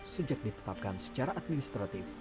sejak ditetapkan secara administratif